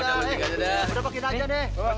ya udah boleh